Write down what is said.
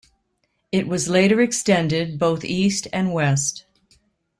It was later extended both east and west.